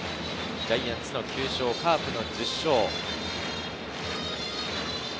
ジャイアンツの９勝、カープの１０勝。